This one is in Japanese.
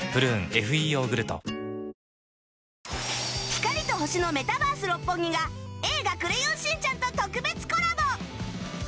光と星のメタバース六本木が『映画クレヨンしんちゃん』と特別コラボ！